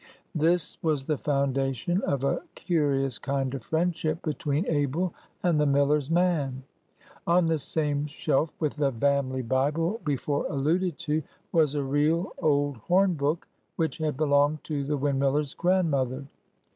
This was the foundation of a curious kind of friendship between Abel and the miller's man. On the same shelf with the "Vamly Bible," before alluded to, was a real old horn book, which had belonged to the windmiller's grandmother.